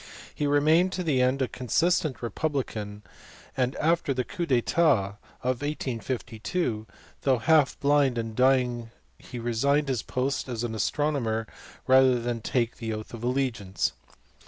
He remained to the end a consistent republican, and after the coup d etat of 1852 though half blind and dying he resigned his post as astronomer rather than take the oath of allegiance.